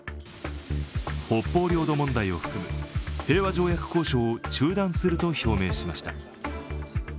北方領土問題を含む平和条約交渉を中断すると表明しました。